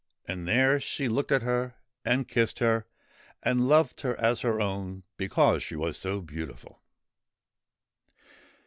And there she looked at her, and kissed her, and loved her as her own, because she was so beautiful.